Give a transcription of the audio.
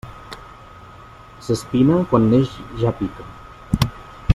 S'espina quan neix ja pica.